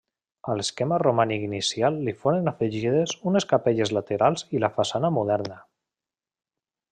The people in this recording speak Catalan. A l'esquema romànic inicial li foren afegides unes capelles laterals i la façana moderna.